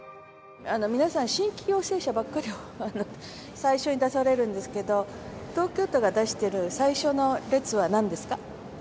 皆さん、新規陽性者ばっかりを最初に出されるんですけど、東京都が出してる最初の列はなんですか？